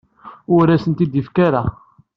Ur asent-tent-id-yefki ara.